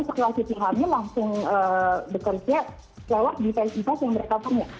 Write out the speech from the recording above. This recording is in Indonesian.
atau misalnya sekelas itu hamil langsung bekerja lewat device device yang mereka punya